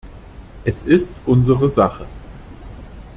Es ist unsere Sache.